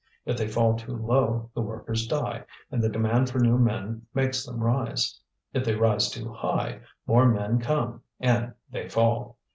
If they fall too low, the workers die, and the demand for new men makes them rise. If they rise too high, more men come, and they fall.